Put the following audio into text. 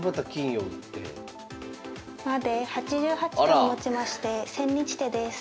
８８手をもちまして千日手です。